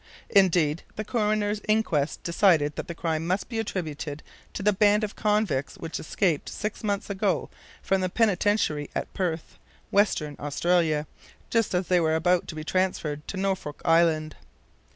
Indeed, the coroner's inquest decided that the crime must be attributed to the band of convicts which escaped six months ago from the Penitentiary at Perth, Western Australia, just as they were about to be transferred to Norfolk Island.